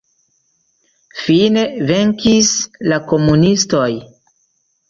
Fine venkis la komunistoj.